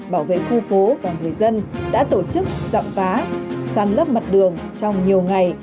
bảo vệ khu phố và người dân đã tổ chức dặm phá săn lấp mặt đường trong nhiều ngày